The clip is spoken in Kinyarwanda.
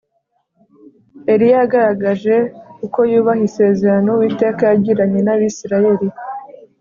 Eliya yagaragaje uko yubaha isezerano Uwiteka yagiranye nAbisirayeli